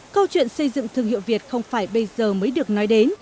câu chuyện xây dựng thương hiệu việt không phải bây giờ mới được nói đến